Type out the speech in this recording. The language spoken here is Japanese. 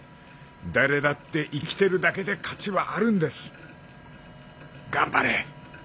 誰だって生きてるだけで価値はあるんです、ガンバレ！」。